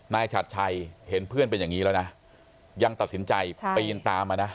ฉัดชัยเห็นเพื่อนเป็นอย่างนี้แล้วนะยังตัดสินใจปีนตามมานะ